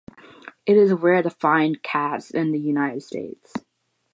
It is rare to find in cats in the United States.